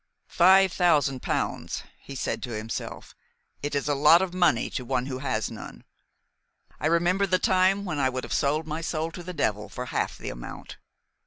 "Five thousand pounds!" he said to himself. "It is a lot of money to one who has none. I remember the time when I would have sold my soul to the devil for half the amount."